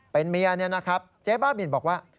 เป็นเมียเนี่ยนะครับเจ๊บ้าบินบอกว่า